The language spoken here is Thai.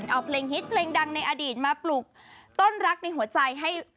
เอาเพลงฮิตเพลงดังในอดีตมาปลูกต้นรักในหัวใจให้